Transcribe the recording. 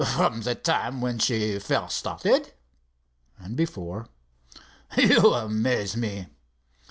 "From the time when she first started?" "And before." "You amaze me!"